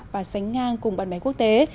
và sánh ngang cùng bạn bè quốc tế